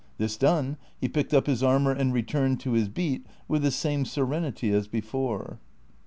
This done, he picked up his armor and returned to his beat with the same serenity as before.